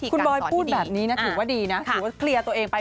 คุณบอยพูดแบบนี้นะถือว่าดีนะถือว่าเคลียร์ตัวเองไป